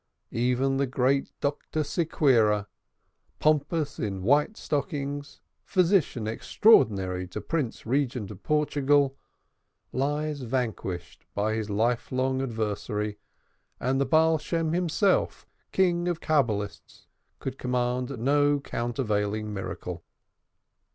Even the great Dr. Sequira, pompous in white stockings, physician extraordinary to the Prince Regent of Portugal, lies vanquished by his life long adversary and the Baal Shem himself, King of Cabalists, could command no countervailing miracle.